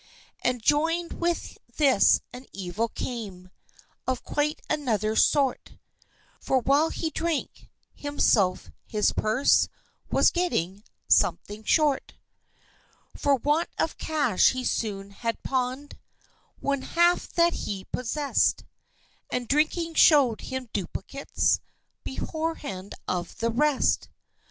And join'd with this an evil came Of quite another sort For while he drank, himself, his purse Was getting "something short." For want of cash he soon had pawn'd One half that he possessed, And drinking showed him duplicates Beforehand of the rest!